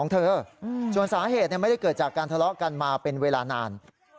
ทะเลาะกันมาเป็นเวลานาน